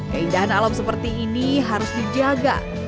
keindahan alam seperti ini harus dijaga